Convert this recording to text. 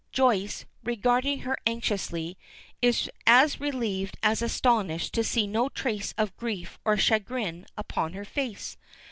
Joyce, regarding her anxiously, is as relieved as astonished to see no trace of grief or chagrin upon her face.